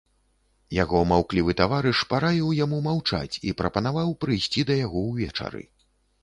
Яго маўклівы таварыш параіў яму маўчаць і прапанаваў прыйсці да яго ўвечары.